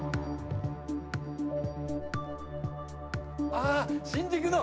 あ！新宿の。